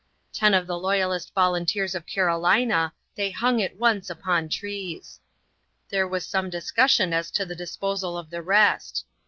Ten of the loyalist volunteers of Carolina they hung at once upon trees. There was some discussion as to the disposal of the rest.